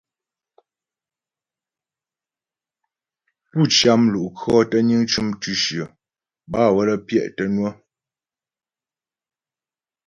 Pú cyǎ mlu'kʉɔ̌ tə́ niŋ cʉm tʉ̌shyə bâ waə́lə́ pyɛ' tə́ ŋwə̌.